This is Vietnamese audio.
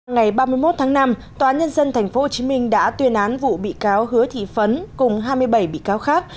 ngày ba mươi một tháng năm tòa nhân dân tp hcm đã tuyên án vụ bị cáo hứa thị phấn cùng hai mươi bảy bị cáo khác